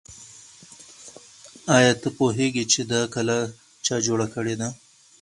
آیا ته پوهېږې چې دا کلا چا جوړه کړې ده؟